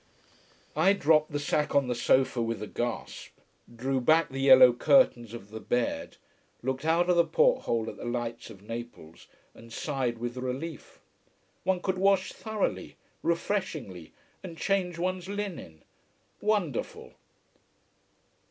I dropped the sack on the sofa with a gasp, drew back the yellow curtains of the bed, looked out of the porthole at the lights of Naples, and sighed with relief. One could wash thoroughly, refreshingly, and change one's linen. Wonderful!